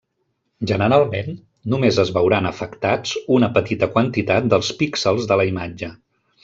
Generalment, només es veuran afectats una petita quantitat dels píxels de la imatge.